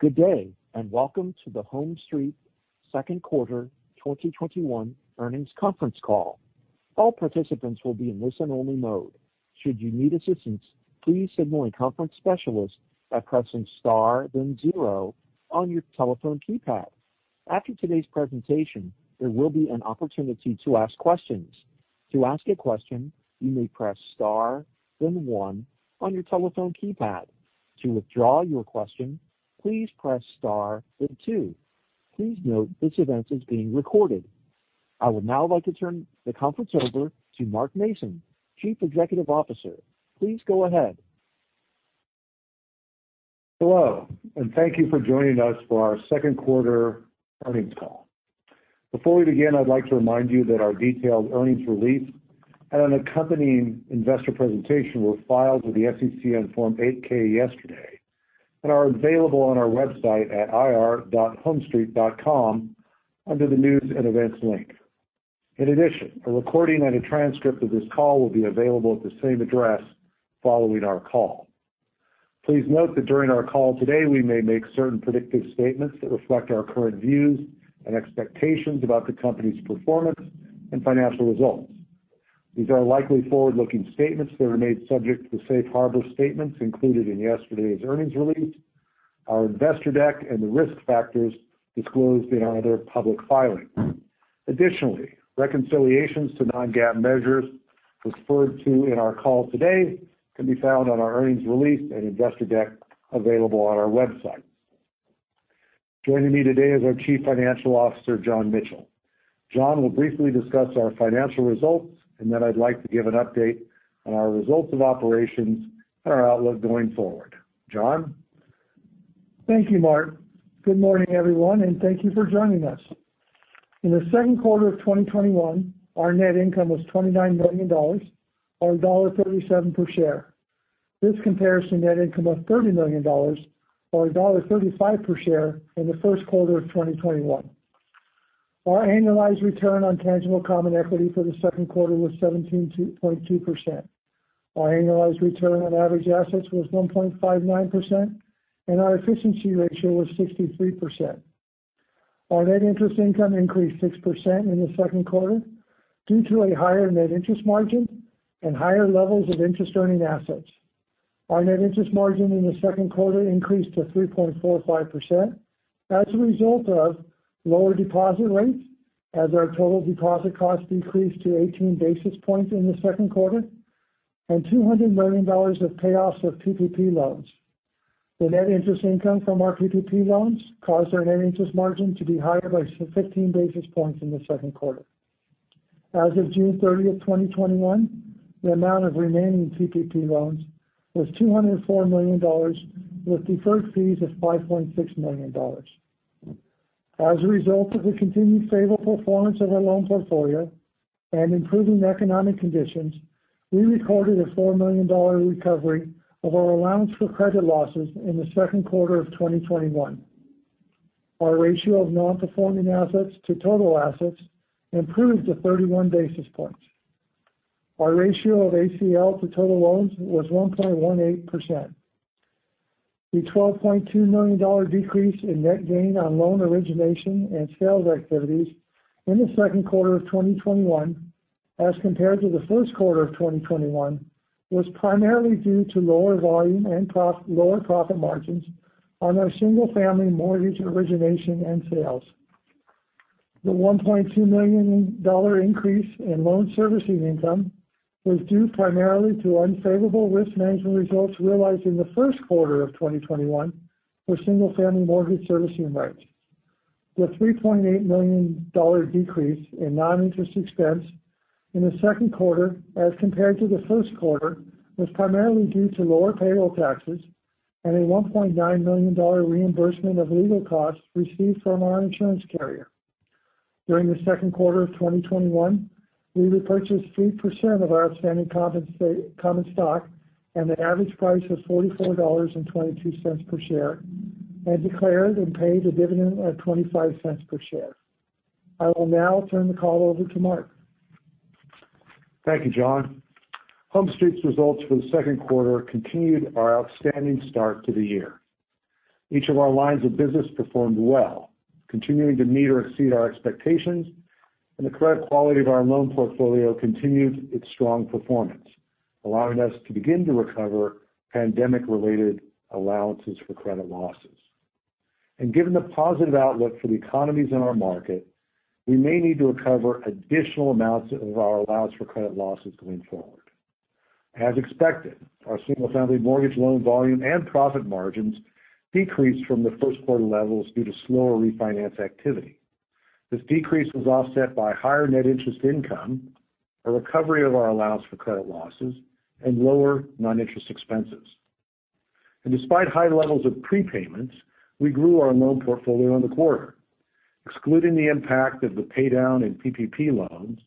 Good day. Welcome to the HomeStreet second quarter 2021 earnings conference call. I would now like to turn the conference over to Mark Mason, Chief Executive Officer. Please go ahead. Hello, and thank you for joining us for our second quarter earnings call. Before we begin, I'd like to remind you that our detailed earnings release and an accompanying investor presentation were filed with the SEC on Form 8-K yesterday and are available on our website at ir.homestreet.com under the News & Events link. In addition, a recording and a transcript of this call will be available at the same address following our call. Please note that during our call today, we may make certain predictive statements that reflect our current views and expectations about the company's performance and financial results. These are likely forward-looking statements that remain subject to the safe harbor statements included in yesterday's earnings release, our investor deck, and the risk factors disclosed in our other public filings. Additionally, reconciliations to non-GAAP measures referred to in our call today can be found on our earnings release and investor deck available on our website. Joining me today is our Chief Financial Officer, John Michel. John will briefly discuss our financial results. Then I'd like to give an update on our results of operations and our outlook going forward. John? Thank you, Mark. Good morning, everyone, and thank you for joining us. In the second quarter of 2021, our net income was $29 million, or $1.37 per share. This compares to net income of $30 million or $1.35 per share in the first quarter of 2021. Our annualized return on tangible common equity for the second quarter was 17.2%. Our annualized return on average assets was 1.59%, and our efficiency ratio was 63%. Our net interest income increased 6% in the second quarter due to a higher net interest margin and higher levels of interest-earning assets. Our net interest margin in the second quarter increased to 3.45% as a result of lower deposit rates as our total deposit costs decreased to 18 basis points in the second quarter and $200 million of payoffs of PPP loans. The net interest income from our PPP loans caused our net interest margin to be higher by 15 basis points in the second quarter. As of June 30th, 2021, the amount of remaining PPP loans was $204 million with deferred fees of $5.6 million. As a result of the continued favorable performance of our loan portfolio and improving economic conditions, we recorded a $4 million recovery of our allowance for credit losses in the second quarter of 2021. Our ratio of non-performing assets to total assets improved to 31 basis points. Our ratio of ACL to total loans was 1.18%. The $12.2 million decrease in net gain on loan origination and sales activities in the second quarter of 2021 as compared to the first quarter of 2021, was primarily due to lower volume and lower profit margins on our single-family mortgage origination and sales. The $1.2 million increase in loan servicing income was due primarily to unfavorable risk management results realized in the first quarter of 2021 for single-family mortgage servicing rights. The $3.8 million decrease in non-interest expense in the second quarter as compared to the first quarter, was primarily due to lower payroll taxes and a $1.9 million reimbursement of legal costs received from our insurance carrier. During the second quarter of 2021, we repurchased 3% of our outstanding common stock, and the average price was $44.22 per share and declared and paid a dividend of $0.25 per share. I will now turn the call over to Mark. Thank you, John. HomeStreet's results for the second quarter continued our outstanding start to the year. Each of our lines of business performed well, continuing to meet or exceed our expectations, the credit quality of our loan portfolio continued its strong performance, allowing us to begin to recover pandemic-related allowances for credit losses. Given the positive outlook for the economies in our market, we may need to recover additional amounts of our allowance for credit losses going forward. As expected, our single-family mortgage loan volume and profit margins decreased from the first quarter levels due to slower refinance activity. This decrease was offset by higher net interest income, a recovery of our allowance for credit losses, and lower non-interest expenses. Despite high levels of prepayments, we grew our loan portfolio in the quarter. Excluding the impact of the paydown in PPP loans,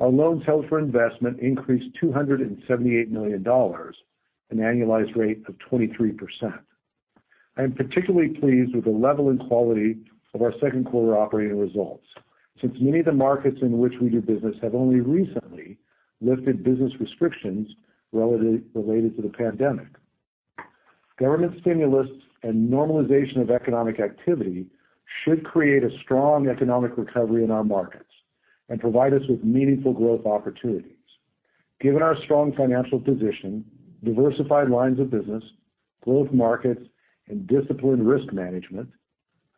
our loans held for investment increased $278 million, an annualized rate of 23%. I'm particularly pleased with the level and quality of our second quarter operating results. Since many of the markets in which we do business have only recently lifted business restrictions related to the pandemic, government stimulus and normalization of economic activity should create a strong economic recovery in our markets and provide us with meaningful growth opportunities. Given our strong financial position, diversified lines of business, growth markets, and disciplined risk management,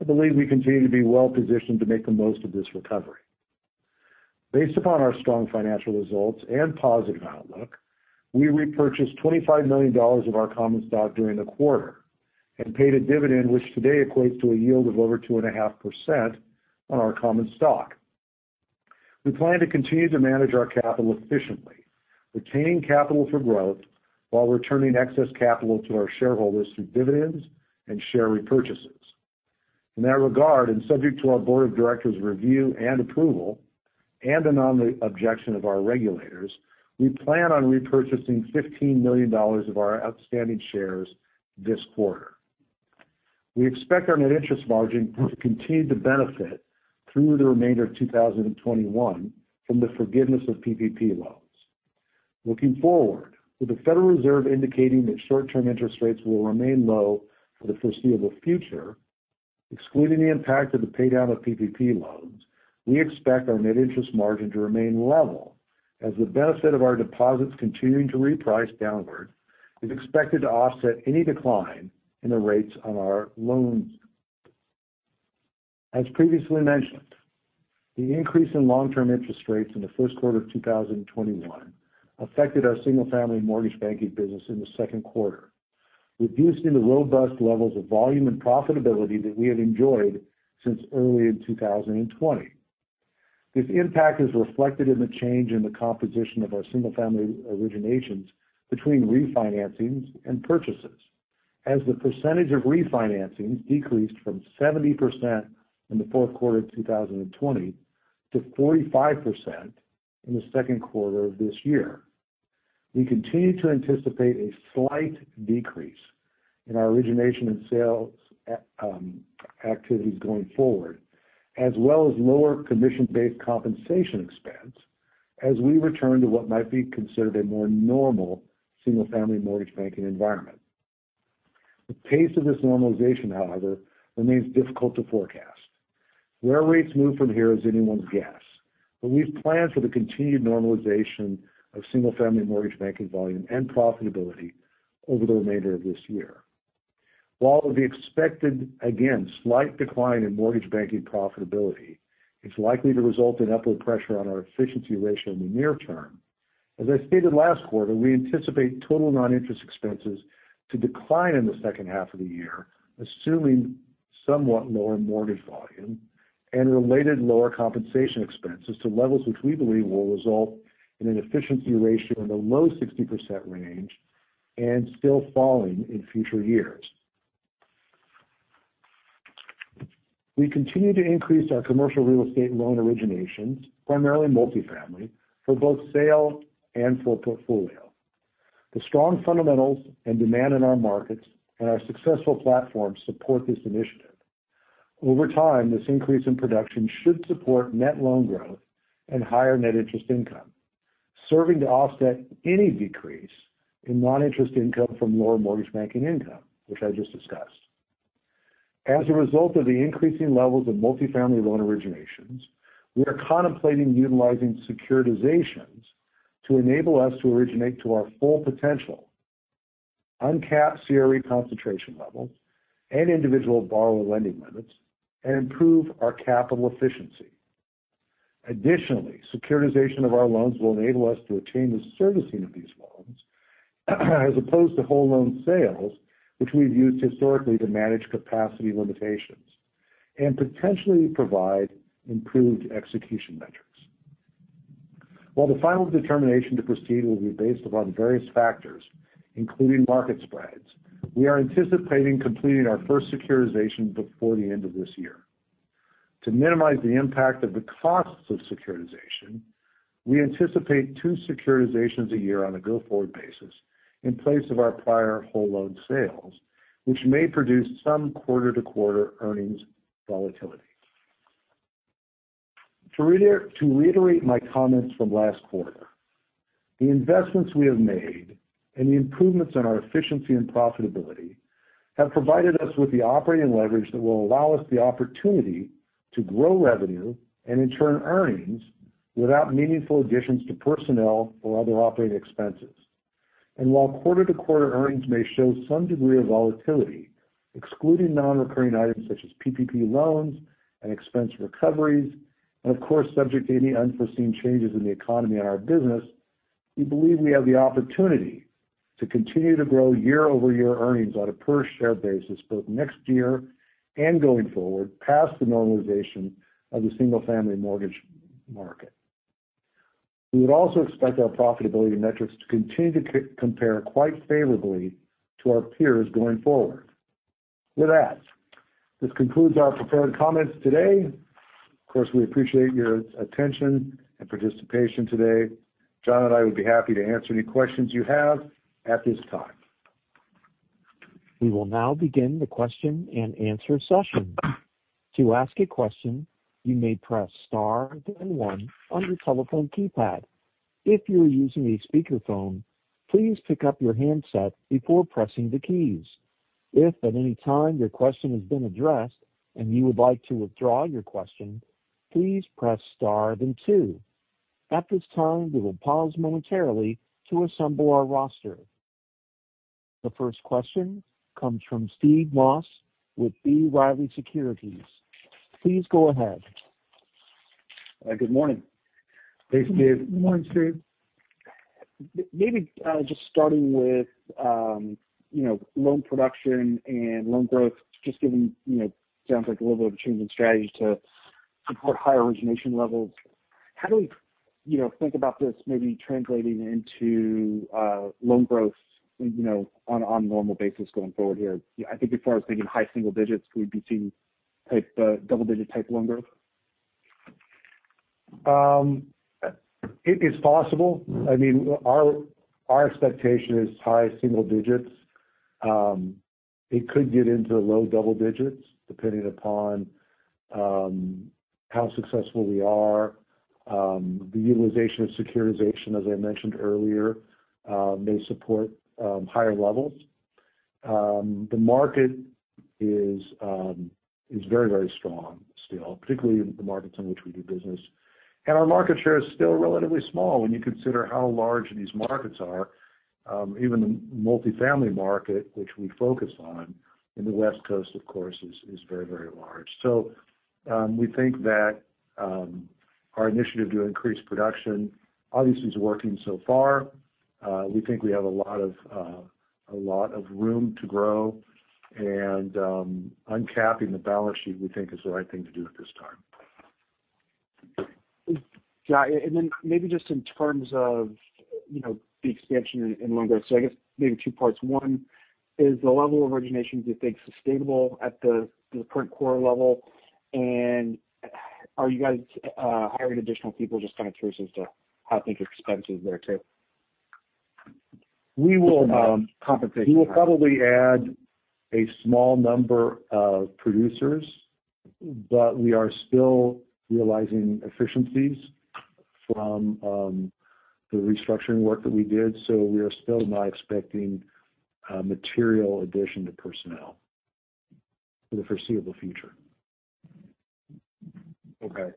I believe we continue to be well-positioned to make the most of this recovery. Based upon our strong financial results and positive outlook, we repurchased $25 million of our common stock during the quarter and paid a dividend which today equates to a yield of over 2.5% on our common stock. We plan to continue to manage our capital efficiently, retaining capital for growth while returning excess capital to our shareholders through dividends and share repurchases. In that regard, and subject to our board of directors' review and approval, and an objection of our regulators, we plan on repurchasing $15 million of our outstanding shares this quarter. We expect our net interest margin to continue to benefit through the remainder of 2021 from the forgiveness of PPP loans. Looking forward, with the Federal Reserve indicating that short-term interest rates will remain low for the foreseeable future, excluding the impact of the paydown of PPP loans, we expect our net interest margin to remain level as the benefit of our deposits continuing to reprice downward is expected to offset any decline in the rates on our loans. As previously mentioned, the increase in long-term interest rates in the first quarter of 2021 affected our single-family mortgage banking business in the second quarter, reducing the robust levels of volume and profitability that we had enjoyed since early in 2020. This impact is reflected in the change in the composition of our single-family originations between refinancings and purchases, as the percentage of refinancings decreased from 70% in the fourth quarter of 2020 to 45% in the second quarter of this year. We continue to anticipate a slight decrease in our origination and sales activities going forward, as well as lower commission-based compensation expense as we return to what might be considered a more normal single-family mortgage banking environment. The pace of this normalization, however, remains difficult to forecast. Where rates move from here is anyone's guess, but we've planned for the continued normalization of single-family mortgage banking volume and profitability over the remainder of this year. While the expected, again, slight decline in mortgage banking profitability is likely to result in upward pressure on our efficiency ratio in the near term, as I stated last quarter, we anticipate total non-interest expenses to decline in the second half of the year, assuming somewhat lower mortgage volume and related lower compensation expenses to levels which we believe will result in an efficiency ratio in the low 60% range and still falling in future years. We continue to increase our commercial real estate loan originations, primarily multifamily, for both sale and full portfolio. The strong fundamentals and demand in our markets and our successful platforms support this initiative. Over time, this increase in production should support net loan growth and higher net interest income, serving to offset any decrease in non-interest income from lower mortgage banking income, which I just discussed. As a result of the increasing levels of multifamily loan originations, we are contemplating utilizing securitizations to enable us to originate to our full potential, uncapped CRE concentration levels and individual borrower lending limits, and improve our capital efficiency. Additionally, securitization of our loans will enable us to retain the servicing of these loans, as opposed to whole loan sales, which we've used historically to manage capacity limitations and potentially provide improved execution metrics. While the final determination to proceed will be based upon various factors, including market spreads, we are anticipating completing our first securitization before the end of this year. To minimize the impact of the costs of securitization, we anticipate two securitizations a year on a go-forward basis in place of our prior whole loan sales, which may produce some quarter-to-quarter earnings volatility. To reiterate my comments from last quarter, the investments we have made and the improvements in our efficiency and profitability have provided us with the operating leverage that will allow us the opportunity to grow revenue and, in turn, earnings without meaningful additions to personnel or other operating expenses. While quarter-to-quarter earnings may show some degree of volatility, excluding non-recurring items such as PPP loans and expense recoveries, and of course, subject to any unforeseen changes in the economy and our business, we believe we have the opportunity to continue to grow year-over-year earnings on a per-share basis both next year and going forward, past the normalization of the single-family mortgage market. We would also expect our profitability metrics to continue to compare quite favorably to our peers going forward. With that, this concludes our prepared comments today. Of course, we appreciate your attention and participation today. John and I would be happy to answer any questions you have at this time. We will now begin the question and answer session. To ask a question, you may press star then one on your telephone keypad. If you're using a speakerphone, please pick up your handset before pressing the keys. If at any time your question has been addressed and you would like to withdraw your question, please press star then two. At this time, we will pause momentarily to assemble our roster. The first question comes from Steve Moss with B. Riley Securities. Please go ahead. Hi. Good morning. Hey, Steve. Good morning, Steve. Maybe just starting with loan production and loan growth. Just given, sounds like a little bit of a change in strategy to support higher origination levels. How do we think about this maybe translating into loan growth on normal basis going forward here? I think as far as thinking high single-digits, we'd be seeing double-digit type loan growth? It is possible. Our expectation is high single-digits. It could get into low double digits depending upon how successful we are. The utilization of securitization, as I mentioned earlier, may support higher levels. The market is very strong still, particularly in the markets in which we do business. Our market share is still relatively small when you consider how large these markets are. Even the multifamily market, which we focus on in the West Coast, of course, is very large. We think that our initiative to increase production obviously is working so far. We think we have a lot of room to grow, and uncapping the balance sheet, we think, is the right thing to do at this time. Got it. Then maybe just in terms of the expansion in loan growth. I guess maybe two parts. One, is the level of originations do you think sustainable at the current quarter level? Are you guys hiring additional people? Just kind of curious as to how to think of expenses there too. We will. Compensation. We will probably add a small number of producers, but we are still realizing efficiencies from the restructuring work that we did. We are still not expecting a material addition to personnel for the foreseeable future. Okay.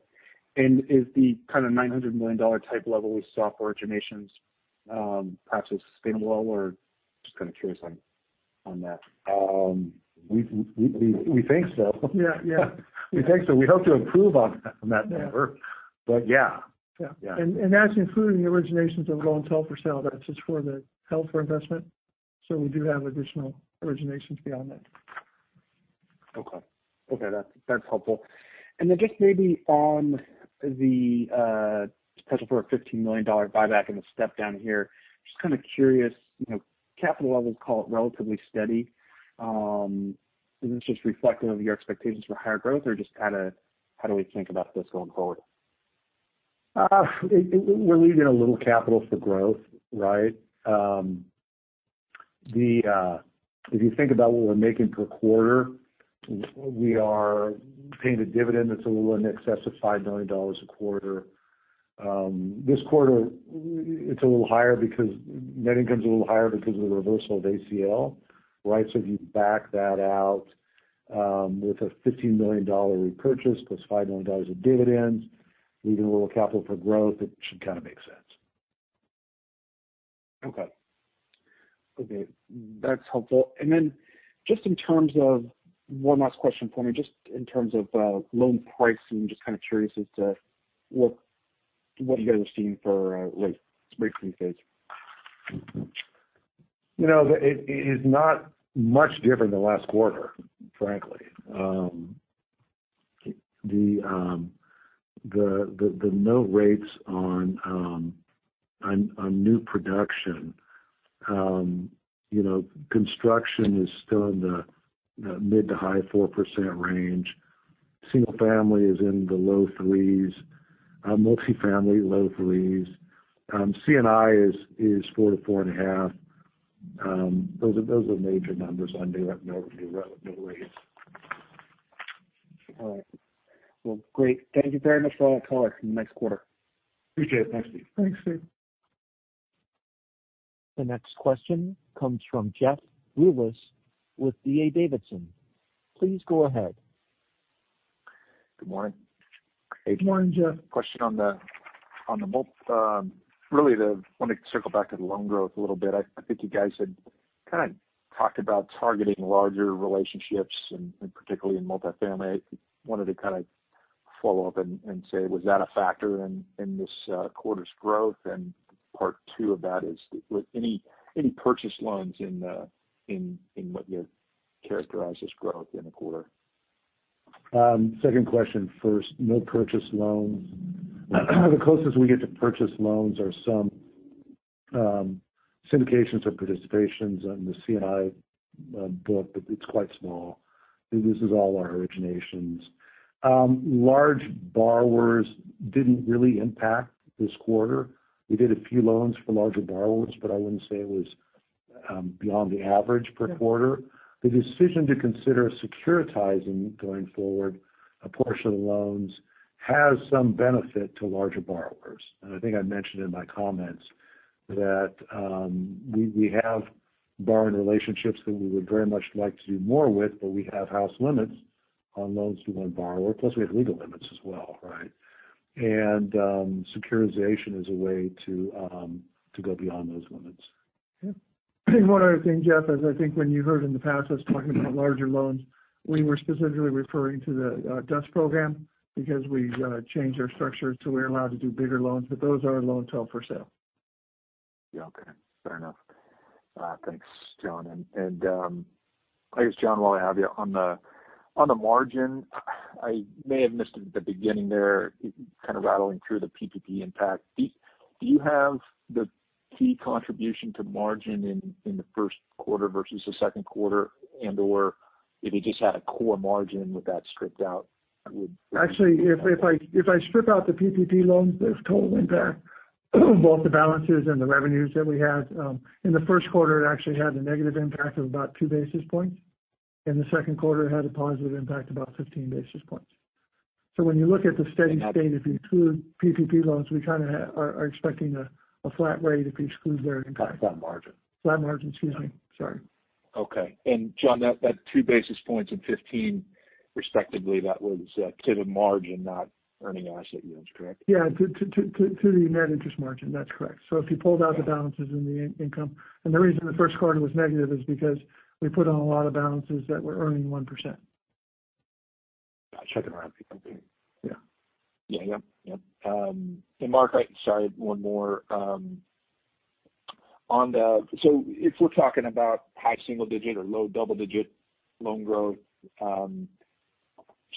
Is the kind of $900 million dollar type level we saw for originations perhaps sustainable or just kind of curious on that? We think so. Yeah. We think so. We hope to improve on that number, yeah. Yeah. That's including the originations of loans held for sale. That's just for the held for investment. We do have additional originations beyond that. Okay. That's helpful. Just maybe on the schedule for a $15 million buyback and the step-down here, just kind of curious, capital levels call it relatively steady. Is this just reflective of your expectations for higher growth or just how do we think about this going forward? We're leaving a little capital for growth, right? If you think about what we're making per quarter, we are paying a dividend that's a little in excess of $5 million a quarter. This quarter, it's a little higher because net income's a little higher because of the reversal of ACL. If you back that out with a $15 million repurchase +$5 million of dividends, leaving a little capital for growth, it should kind of make sense. Okay. That's helpful. Then just in terms of one last question for me, just in terms of loan pricing, just kind of curious as to what you guys are seeing for rates these days? It is not much different than last quarter, frankly. The note rates on new production. Construction is still in the mid to high 4% range. Single family is in the low-3%. Multifamily, low-3%. C&I is 4%-4.5%. Those are major numbers on new note rates. All right. Well, great. Thank you very much for all the color. See you next quarter. Appreciate it. Thanks, Steve. Thanks, Steve. The next question comes from Jeff Rulis with D.A. Davidson. Please go ahead. Good morning. Hey, Jeff. Good morning, Jeff. Question on the. I want to circle back to the loan growth a little bit. I think you guys had kind of talked about targeting larger relationships and particularly in multifamily. I wanted to kind of follow up and say, was that a factor in this quarter's growth? Part two of that is, were any purchase loans in what you characterized as growth in the quarter? Second question first. No purchase loans. The closest we get to purchase loans are some syndications or participations in the C&I book, but it's quite small. This is all our originations. Large borrowers didn't really impact this quarter. We did a few loans for larger borrowers, but I wouldn't say it was beyond the average per quarter. The decision to consider securitizing going forward, a portion of the loans has some benefit to larger borrowers. I think I mentioned in my comments that we have borrowing relationships that we would very much like to do more with, but we have house limits on loans to one borrower. We have legal limits as well, right? Securitization is a way to go beyond those limits. One other thing, Jeff, is I think when you heard in the past us talking about larger loans, we were specifically referring to the DUS Program because we changed our structure, so we're allowed to do bigger loans. Those are loan held for sale. Yeah. Okay. Fair enough. Thanks, John. I guess, John, while I have you, on the margin, I may have missed at the beginning there, kind of rattling through the PPP impact. Do you have the key contribution to margin in the first quarter versus the second quarter? And/or if you just had a core margin with that stripped out. Actually, if I strip out the PPP loans, the total impact, both the balances and the revenues that we had in the first quarter, it actually had a negative impact of about 2 basis points. In the second quarter, it had a positive impact, about 15 basis points. And that. If you include PPP loans, we kind of are expecting a flat rate if you exclude their impact. Flat margin. Flat margin. Excuse me. Sorry. Okay. John, that 2 basis points and 15 respectively, that was to the margin, not earning asset yields, correct? Yeah. To the net interest margin. That's correct. If you pulled out the balances and the income. The reason the first quarter was negative is because we put on a lot of balances that were earning 1%. Gotcha. Around PPP. Yeah. Yep. Mark, sorry, one more. If we're talking about high single-digit or low double-digit loan growth,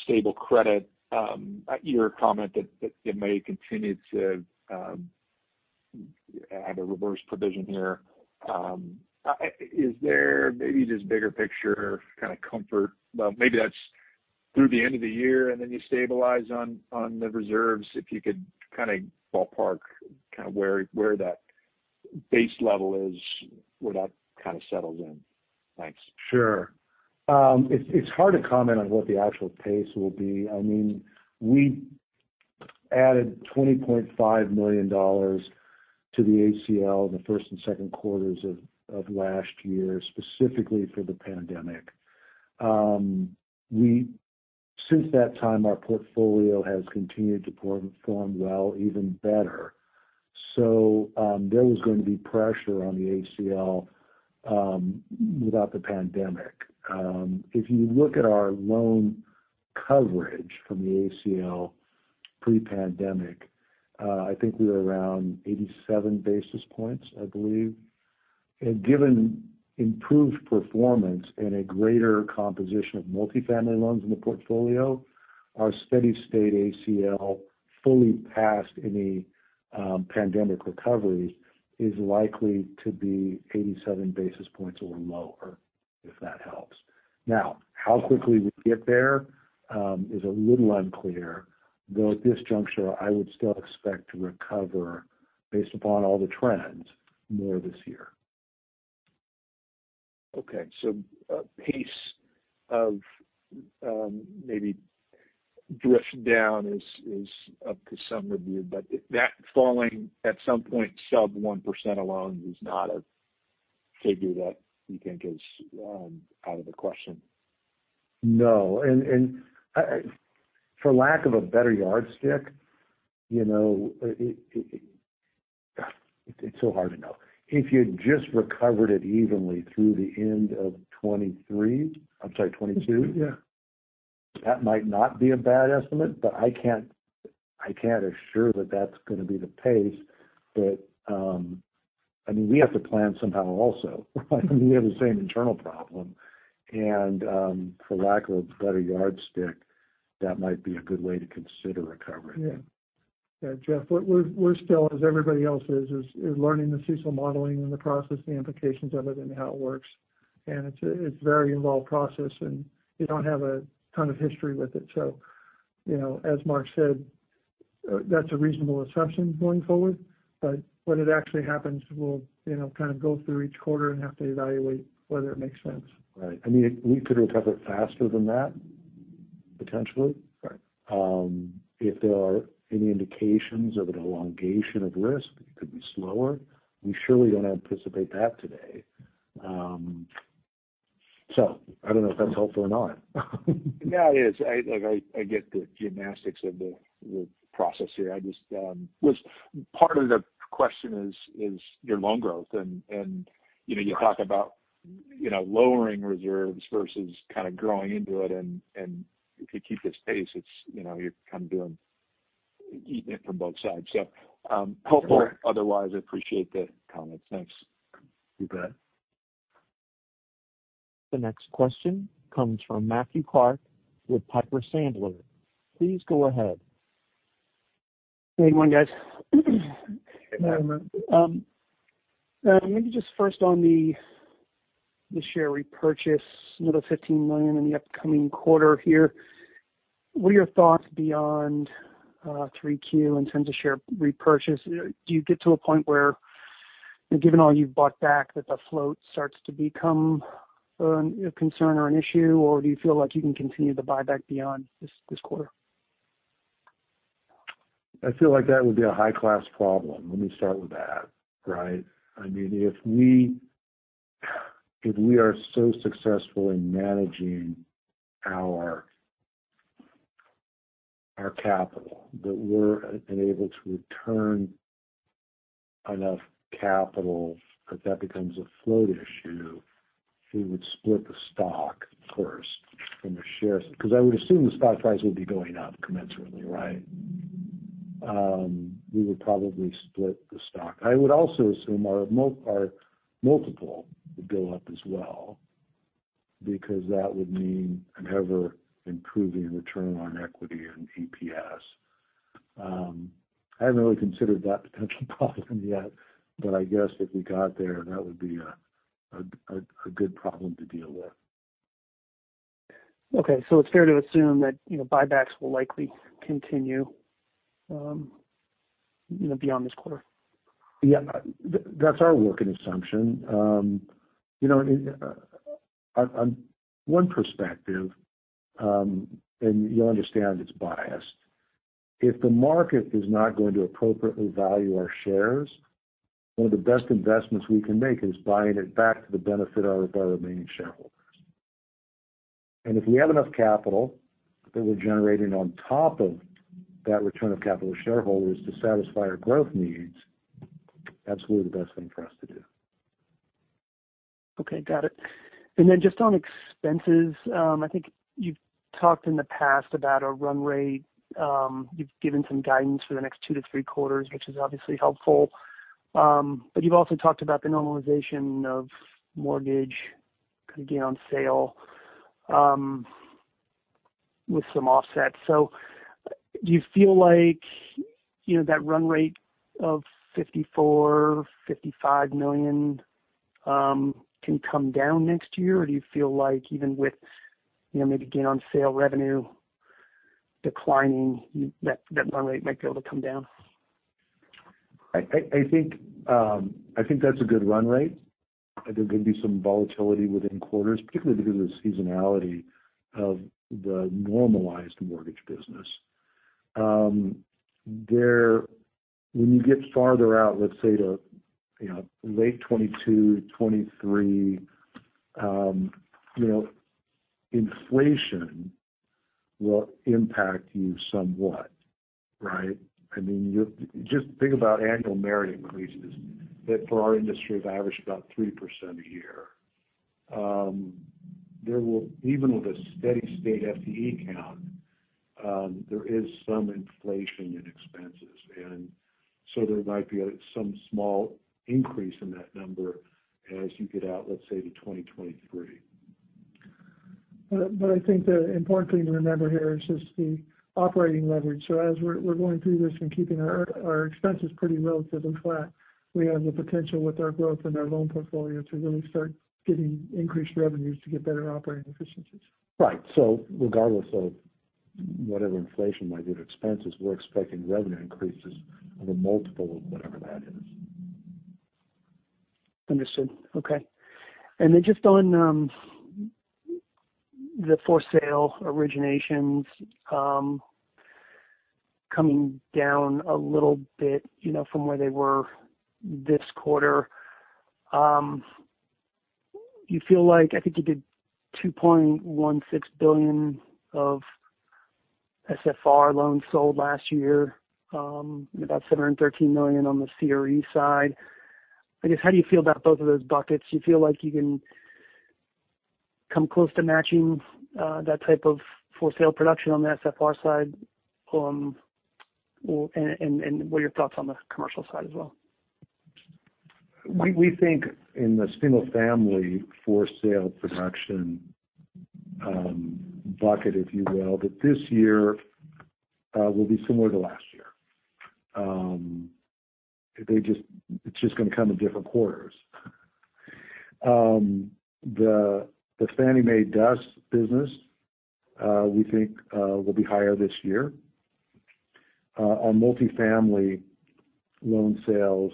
stable credit, your comment that it may continue to have a reverse provision here. Is there maybe just bigger picture kind of comfort, well, maybe that's through the end of the year, and then you stabilize on the reserves, if you could kind of ballpark where that base level is, where that kind of settles in. Thanks. Sure. It's hard to comment on what the actual pace will be. We added $20.5 million to the ACL in the first and second quarters of last year, specifically for the pandemic. Since that time, our portfolio has continued to perform well, even better. There was going to be pressure on the ACL without the pandemic. If you look at our loan coverage from the ACL pre-pandemic, I think we were around 87 basis points, I believe. Given improved performance and a greater composition of multifamily loans in the portfolio, our steady state ACL fully past any pandemic recovery is likely to be 87 basis points or lower, if that helps. How quickly we get there is a little unclear, though at this juncture, I would still expect to recover based upon all the trends more this year. Okay. Pace of maybe drift down is up to some review. That falling at some point sub 1% alone is not a figure that you think is out of the question. No. For lack of a better yardstick, it's so hard to know. If you just recovered it evenly through the end of 2023, I'm sorry, 2022. Yeah. That might not be a bad estimate. I can't assure that that's going to be the pace. We have to plan somehow also. We have the same internal problem. For lack of a better yardstick, that might be a good way to consider recovery. Yeah. Jeff, we're still, as everybody else is learning the CECL modeling and the process and the implications of it and how it works. It's very involved process, and you don't have a ton of history with it. As Mark said, that's a reasonable assumption going forward. When it actually happens, we'll kind of go through each quarter and have to evaluate whether it makes sense. Right. We could recover faster than that, potentially. Right. If there are any indications of an elongation of risk, it could be slower. We surely don't anticipate that today. I don't know if that's helpful or not. Yeah, it is. I get the gymnastics of the process here. Part of the question is your loan growth. You talk about lowering reserves versus kind of growing into it. If you keep this pace, you're kind of eating it from both sides. Helpful otherwise. I appreciate the comments. Thanks. You bet. The next question comes from Matthew Clark with Piper Sandler. Please go ahead. Hey, morning, guys. Hey, Matt. Just first on the share repurchase, another $15 million in the upcoming quarter here. What are your thoughts beyond 3Q in terms of share repurchase? Do you get to a point where, given all you've bought back, that the float starts to become a concern or an issue, or do you feel like you can continue to buy back beyond just this quarter? I feel like that would be a high-class problem. Let me start with that. If we are so successful in managing our capital that we're unable to return enough capital that that becomes a float issue, we would split the stock, of course, because I would assume the stock price would be going up commensurately, right? We would probably split the stock. I would also assume our multiple would go up as well, because that would mean an ever-improving return on equity and EPS. I haven't really considered that potential problem yet, but I guess if we got there, that would be a good problem to deal with. Okay, it's fair to assume that buybacks will likely continue beyond this quarter? Yeah. That's our working assumption. One perspective, you'll understand it's biased. If the market is not going to appropriately value our shares, one of the best investments we can make is buying it back for the benefit of our remaining shareholders. If we have enough capital that we're generating on top of that return of capital to shareholders to satisfy our growth needs, that's really the best thing for us to do. Okay, got it. Just on expenses, I think you've talked in the past about a run rate. You've given some guidance for the next two to three quarters, which is obviously helpful. You've also talked about the normalization of mortgage gain on sale with some offsets. Do you feel like that run rate of $54 million, $55 million can come down next year, or do you feel like even with maybe gain on sale revenue declining, that run rate might be able to come down? I think that's a good run rate. There's going to be some volatility within quarters, particularly because of the seasonality of the normalized mortgage business. When you get farther out, let's say to late 2022, 2023, inflation will impact you somewhat, right? Just think about annual merit increases that, for our industry, have averaged about 3% a year. Even with a steady state FTE count, there is some inflation in expenses, there might be some small increase in that number as you get out, let's say, to 2023. I think the important thing to remember here is just the operating leverage. As we're going through this and keeping our expenses pretty relatively flat, we have the potential with our growth and our loan portfolio to really start getting increased revenues to get better operating efficiencies. Right. Regardless of whatever inflation might hit expenses, we're expecting revenue increases of a multiple of whatever that is. Understood. Okay. Just on the for-sale originations coming down a little bit from where they were this quarter. I think you did $2.16 billion of SFR loans sold last year, about $713 million on the CRE side. I guess, how do you feel about both of those buckets? Do you feel like you can come close to matching that type of for-sale production on the SFR side? What are your thoughts on the commercial side as well? We think in the single-family for-sale production bucket, if you will, that this year will be similar to last year. It's just going to come in different quarters. The Fannie Mae DUS business, we think, will be higher this year. Our multifamily loan sales,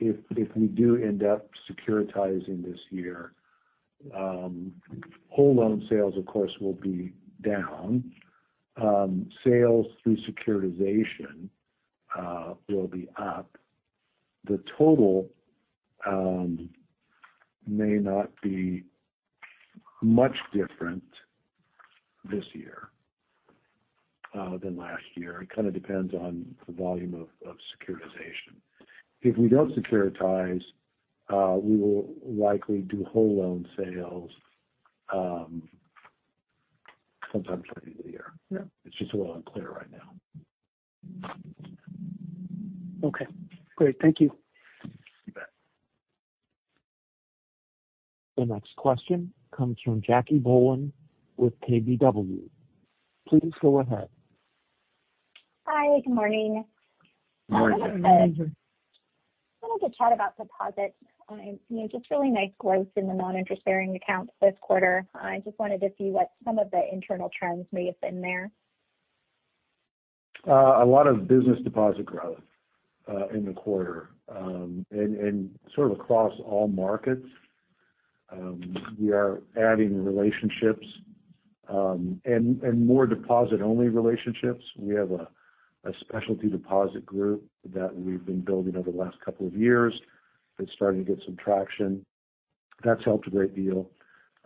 if we do end up securitizing this year, whole loan sales, of course, will be down. Sales through securitization will be up. The total may not be much different this year than last year. It kind of depends on the volume of securitization. If we don't securitize, we will likely do whole loan sales sometime later in the year. Yeah. It's just a little unclear right now. Okay, great. Thank you. You bet. The next question comes from Jackie Bohlen with KBW. Please go ahead. Hi. Good morning. Morning. Morning. I wanted to chat about deposits. Just really nice growth in the non-interest-bearing accounts this quarter. I just wanted to see what some of the internal trends may have been there. A lot of business deposit growth in the quarter. Sort of across all markets. We are adding relationships and more deposit-only relationships. We have a specialty deposit group that we've been building over the last couple of years that's starting to get some traction. That's helped a great deal.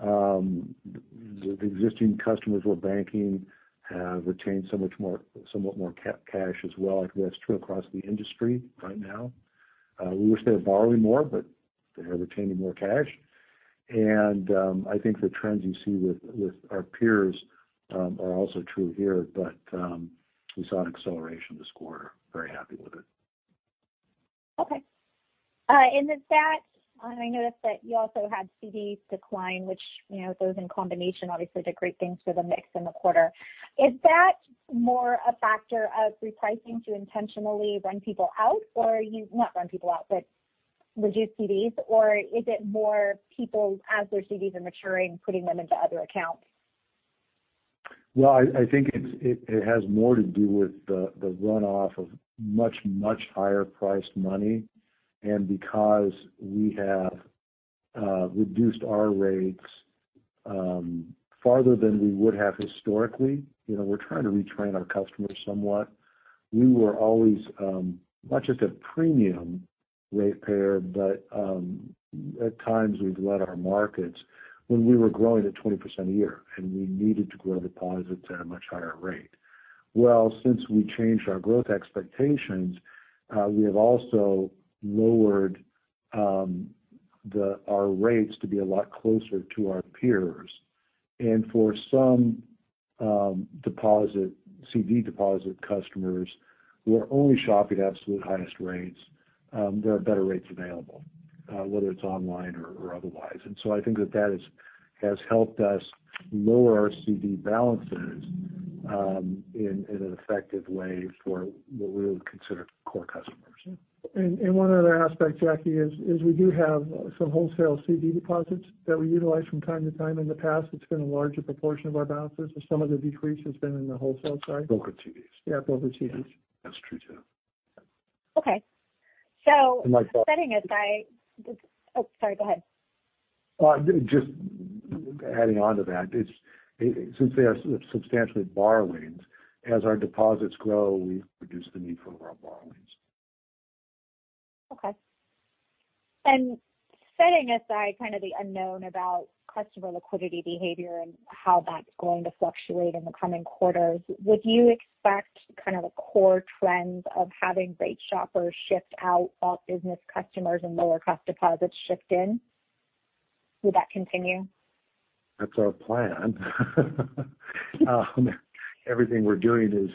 The existing customers we're banking have retained somewhat more cash as well. I think that's true across the industry right now. We wish they were borrowing more, but they are retaining more cash. I think the trends you see with our peers are also true here. We saw an acceleration this quarter. Very happy with it. Okay. I noticed that you also had CDs decline, which those in combination obviously did great things for the mix in the quarter. Is that more a factor of repricing to intentionally run people out, or not run people out, but reduce CDs? Is it more people, as their CDs are maturing, putting them into other accounts? I think it has more to do with the runoff of much, much higher priced money. Because we have reduced our rates farther than we would have historically. We're trying to retrain our customers somewhat. We were always not just a premium rate payer, but at times we've led our markets when we were growing at 20% a year, and we needed to grow deposits at a much higher rate. Since we changed our growth expectations, we have also lowered our rates to be a lot closer to our peers. For some CD deposit customers who are only shopping absolute highest rates, there are better rates available, whether it's online or otherwise. I think that that has helped us lower our CD balances in an effective way for what we would consider core customers. One other aspect, Jackie, is we do have some wholesale CD deposits that we utilized from time to time in the past. It's been a larger proportion of our balances, but some of the decrease has been in the wholesale side. Brokered CDs. Yeah, brokered CDs. That's true, too. Okay. So. And like. Oh, sorry, go ahead. Just adding on to that. Since they are substantially borrowings, as our deposits grow, we've reduced the need for more borrowings. Okay. Setting aside kind of the unknown about customer liquidity behavior and how that's going to fluctuate in the coming quarters, would you expect kind of a core trend of having rate shoppers shift out, while business customers and lower-cost deposits shift in? Would that continue? That's our plan. Everything we're doing is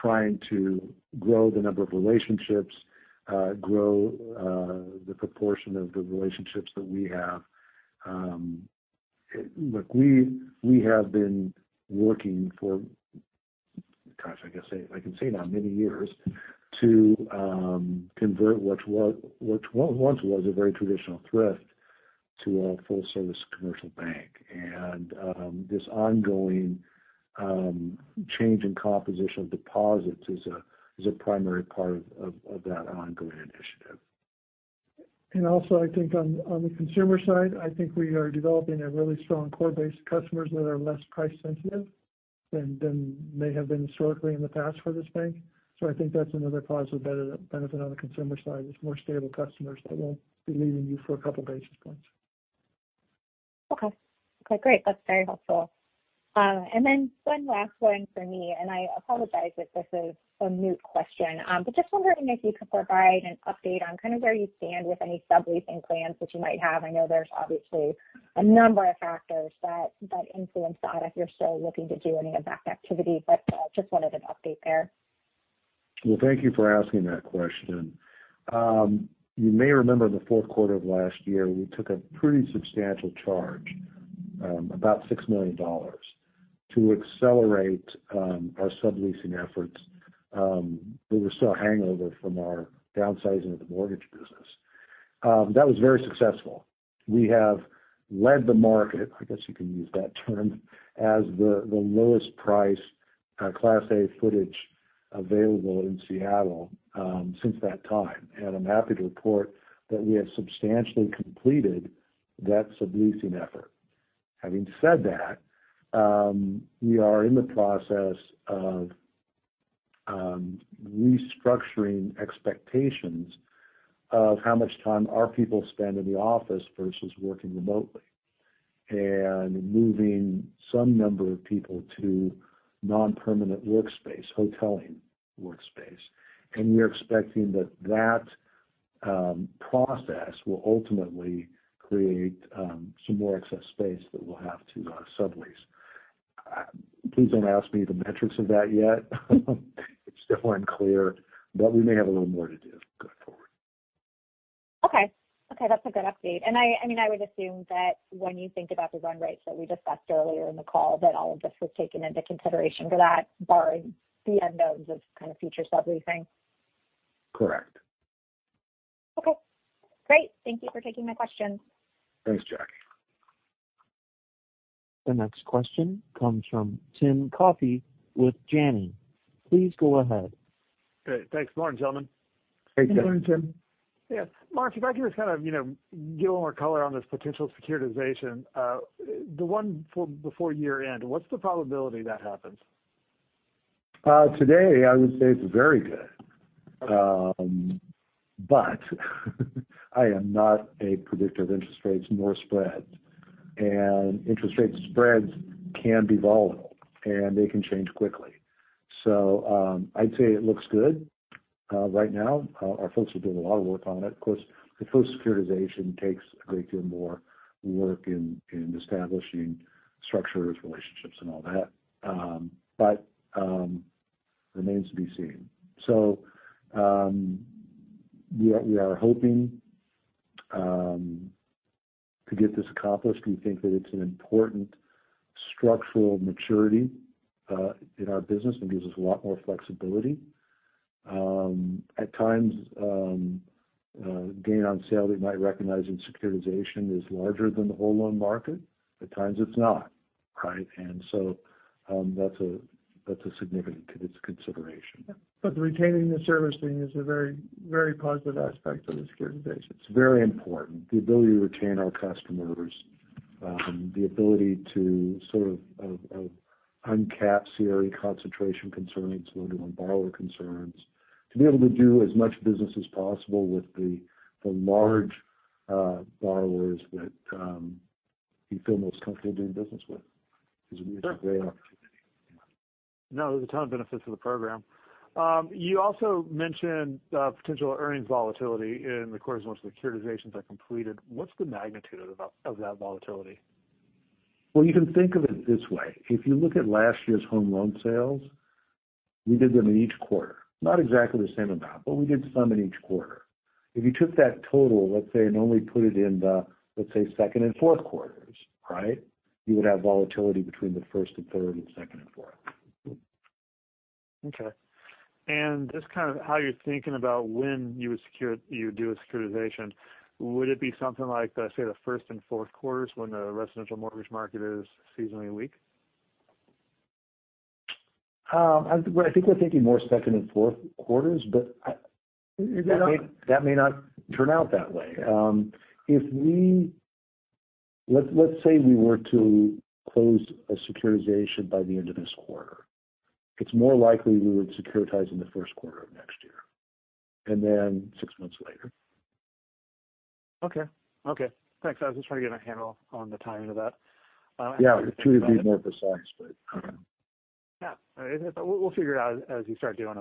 trying to grow the number of relationships, grow the proportion of the relationships that we have. Look, we have been working for, gosh, I can say now, many years to convert what once was a very traditional thrift to a full-service commercial bank. This ongoing change in composition of deposits is a primary part of that ongoing initiative. Also, I think on the consumer side, I think we are developing a really strong core base of customers that are less price sensitive than may have been historically in the past for this bank. I think that's another positive benefit on the consumer side, is more stable customers that won't be leaving you for a couple basis points. Okay. Great. That's very helpful. One last one for me. I apologize if this is a moot question. Just wondering if you could provide an update on kind of where you stand with any subleasing plans that you might have. I know there's obviously a number of factors that influence that if you're still looking to do any of that activity. Just wanted an update there. Well, thank you for asking that question. You may remember in the fourth quarter of last year, we took a pretty substantial charge, about $6 million, to accelerate our subleasing efforts that were still hangover from our downsizing of the mortgage business. That was very successful. We have led the market, I guess you can use that term, as the lowest priced Class A footage available in Seattle since that time. I'm happy to report that we have substantially completed that subleasing effort. Having said that, we are in the process of restructuring expectations of how much time our people spend in the office versus working remotely and moving some number of people to non-permanent workspace, hoteling workspace. We're expecting that process will ultimately create some more excess space that we'll have to sublease. Please don't ask me the metrics of that yet. It's still unclear, but we may have a little more to do going forward. Okay. That's a good update. I would assume that when you think about the run rates that we discussed earlier in the call, that all of this was taken into consideration for that, barring the unknowns of kind of future subleasing. Correct. Okay, great. Thank you for taking my questions. Thanks, Jackie. The next question comes from Tim Coffey with Janney. Please go ahead. Great. Thanks. Morning, gentlemen. Hey, Tim. Good morning, Tim. Yeah. Mark, if I could just kind of give a little more color on this potential securitization. The one before year-end, what's the probability that happens? Today, I would say it's very good. I am not a predictor of interest rates nor spreads. Interest rates and spreads can be volatile, and they can change quickly. I'd say it looks good right now. Our folks are doing a lot of work on it. Of course, the first securitization takes a great deal more work in establishing structures, relationships, and all that. It remains to be seen. We are hoping to get this accomplished. We think that it's an important structural maturity in our business and gives us a lot more flexibility. At times, gain on sale that you might recognize in securitization is larger than the whole loan market. At times it's not. That's a significant consideration. The retaining the service thing is a very positive aspect of the securitization. It's very important. The ability to retain our customers, the ability to sort of uncap CRE concentration concerns, lending on borrower concerns, to be able to do as much business as possible with the large borrowers that you feel most comfortable doing business with is a great opportunity. No, there's a ton of benefits to the program. You also mentioned potential earnings volatility in regards to once the securitizations are completed. What's the magnitude of that volatility? Well, you can think of it this way. If you look at last year's home loan sales, we did them in each quarter. Not exactly the same amount, but we did some in each quarter. If you took that total, let's say, and only put it in the second and fourth quarters, you would have volatility between the first and third, and second and fourth. Okay. Just kind of how you're thinking about when you would do a securitization, would it be something like, say, the first and fourth quarters when the residential mortgage market is seasonally weak? I think we're thinking more second and fourth quarters, but that may not turn out that way. Let's say we were to close a securitization by the end of this quarter. It's more likely we would securitize in the first quarter of next year, and then six months later. Okay. Thanks. I was just trying to get a handle on the timing of that. Yeah. It'd be more precise, but okay. Yeah. We'll figure it out as you start doing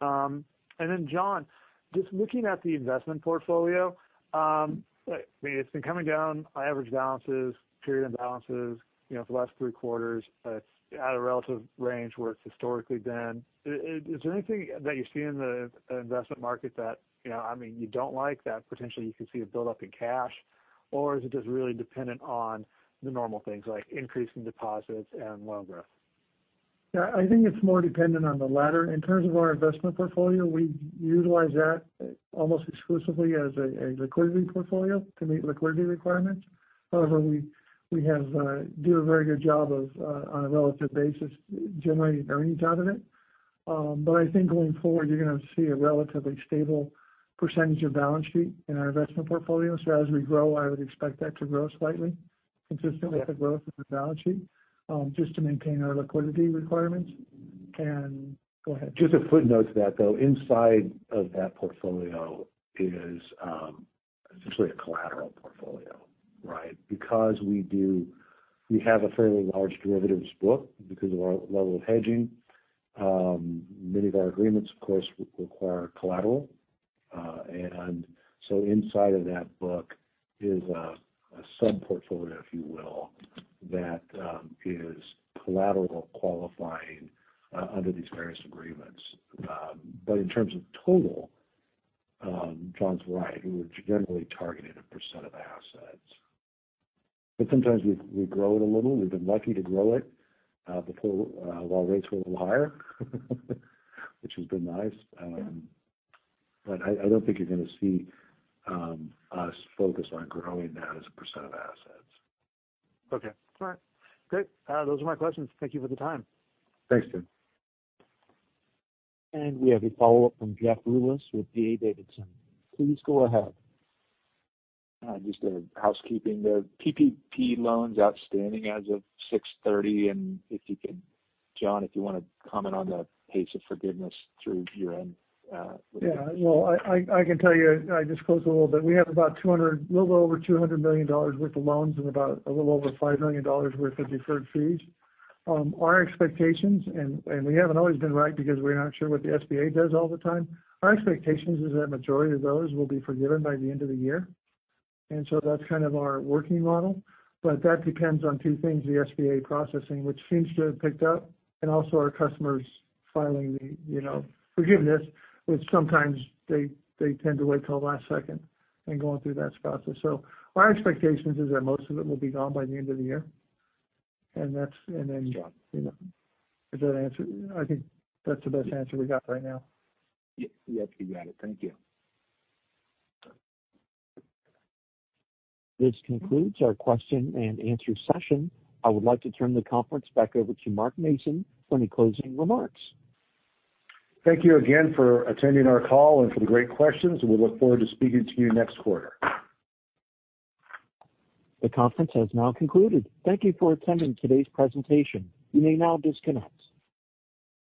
them. Then John, just looking at the investment portfolio, it's been coming down on average balances, period end balances, for the last three quarters. It's at a relative range where it's historically been. Is there anything that you see in the investment market that you don't like that potentially you could see a buildup in cash? Is it just really dependent on the normal things like increasing deposits and loan growth? Yeah, I think it's more dependent on the latter. In terms of our investment portfolio, we utilize that almost exclusively as a liquidity portfolio to meet liquidity requirements. However, we do a very good job of, on a relative basis, generating earnings out of it. I think going forward, you're going to see a relatively stable percentage of balance sheet in our investment portfolio. As we grow, I would expect that to grow slightly consistent with the growth of the balance sheet, just to maintain our liquidity requirements. Go ahead. Just a footnote to that, though. Inside of that portfolio is essentially a collateral portfolio. We have a fairly large derivatives book because of our level of hedging. Many of our agreements, of course, require collateral. Inside of that book is a sub-portfolio, if you will, that is collateral qualifying under these various agreements. In terms of total, John's right. We've generally targeted a percent of assets. Sometimes we grow it a little. We've been lucky to grow it while rates were a little higher, which has been nice. I don't think you're going to see us focus on growing that as a percent of assets. Okay. All right. Great. Those are my questions. Thank you for the time. Thanks, Tim. We have a follow-up from Jeff Rulis with D.A. Davidson. Please go ahead. Just a housekeeping there. PPP loans outstanding as of 6/30, and if you could, John, if you want to comment on the pace of forgiveness through year-end. Yeah. Well, I can tell you, I disclosed a little bit. We have a little over $200 million worth of loans and about a little over $5 million worth of deferred fees. Our expectations, we haven't always been right because we're not sure what the SBA does all the time. Our expectations is that majority of those will be forgiven by the end of the year. That's kind of our working model, but that depends on two things, the SBA processing, which seems to have picked up, and also our customers filing the forgiveness, which sometimes they tend to wait till the last second in going through that process. Our expectations is that most of it will be gone by the end of the year. Got it. I think that's the best answer we got right now. Yep, you got it. Thank you. This concludes our question and answer session. I would like to turn the conference back over to Mark Mason for any closing remarks. Thank you again for attending our call and for the great questions. We look forward to speaking to you next quarter. The conference has now concluded. Thank you for attending today's presentation. You may now disconnect.